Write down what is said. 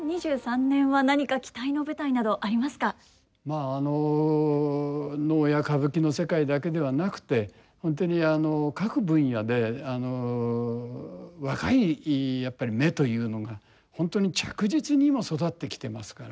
まああの能や歌舞伎の世界だけではなくて本当に各分野で若いやっぱり芽というのが本当に着実に今育ってきてますから。